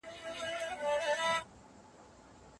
شریف خپل پلار ته د نوي کتاب د لوستلو وړاندیز وکړ.